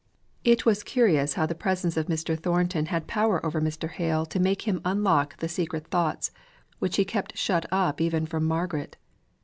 It was curious how the presence of Mr. Thornton had power over Mr. Hale to make him unlock the secret thoughts which he kept shut up even from Margaret.